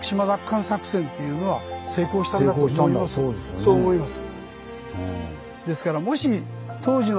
私はそう思います。